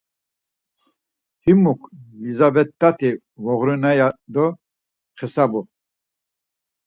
Himuk, Lizavettati voğurinare, yado var xesabu.